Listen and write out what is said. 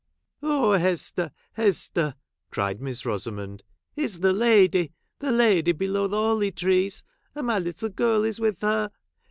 " Oh Hester ! Hester !" cried Miss Rosa¬ mond. " It 's the lady ! the lady below the holly trees ; and my little girl is Avith her.